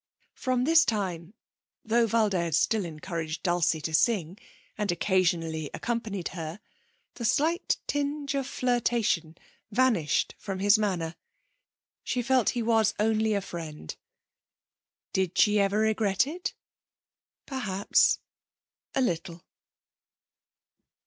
From this time, though Valdez still encouraged Dulcie to sing and occasionally accompanied her, the slight tinge of flirtation vanished from his manner. She felt he was only a friend. Did she ever regret it? Perhaps, a little.